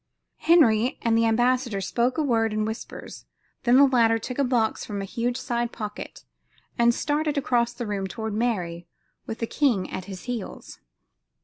Henry and the ambassador spoke a word in whispers, when the latter took a box from a huge side pocket and started across the room toward Mary with the king at his heels.